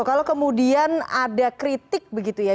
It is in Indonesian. kalau kemudian ada kritik begitu ya